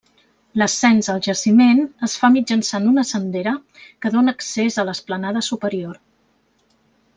L'ascens al jaciment es fa mitjançant una sendera que dóna accés a l'esplanada superior.